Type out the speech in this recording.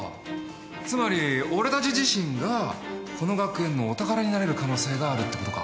つまり俺たち自身がこの学園のお宝になれる可能性があるってことか。